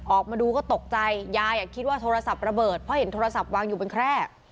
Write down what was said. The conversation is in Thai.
ออกมาดูก็ตกใจยายคิดว่าโทรศัพท์ระเบิดเพราะเห็นโทรศัพท์วางอยู่บนแคร่